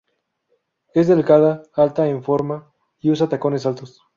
Es delgada, alta, en forma y usa tacones altos.